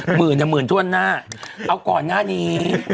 หมื่นหมื่นถ้วนหน้าเอาก่อนหน้านี้